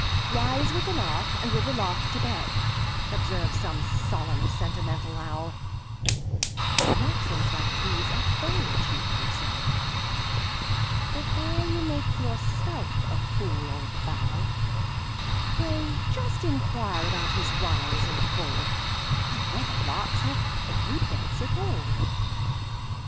"Rise with the lark, and with the lark to bed,"Observes some solemn, sentimental owl; Maxims like these are very cheaply said; But, ere you make yourself a fool or fowl, Pray just inquire about his rise and fall, And whether larks have any beds at all!